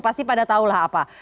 pasti pada tahulah apa